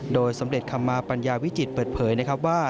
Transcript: โดยสมเด็จคำมาปัญญาวิจิตเปิดเผยนะครับว่า